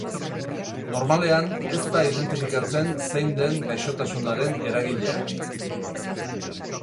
Normalean, ez da identifikatzen zein den gaixotasunaren eragilea.